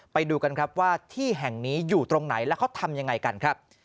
ไปดูกันครับว่าที่แห่งนี้อยู่ตรงไหนแล้วเขาทำยังไงกันครับ